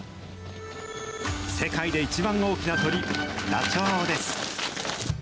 世界で一番大きな鳥、ダチョウです。